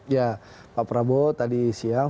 ya pak prabowo tadi siang